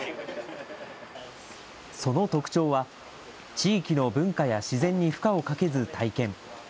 その特徴は、地域の文化や自然に負荷をかけず体験。